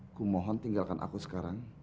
aku mohon tinggalkan aku sekarang